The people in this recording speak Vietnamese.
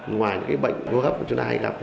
ngoài những cái bệnh vô gấp mà chúng ta hay gặp